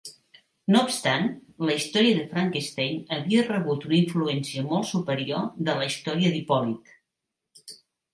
No obstant, la història de Frankenstein havia rebut una influència molt superior de la història d'Hipòlit.